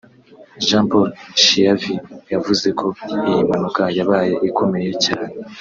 Juan Pablo Schiavi yavuze ko iyi mpanuka yabaye ikomeye cyane